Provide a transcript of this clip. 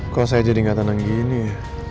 kok saya jadi ngatanan gini ya